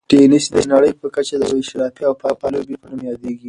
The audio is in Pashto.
تېنس د نړۍ په کچه د یوې اشرافي او پاکې لوبې په نوم یادیږي.